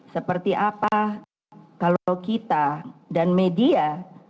seperti apa kalau kita dan media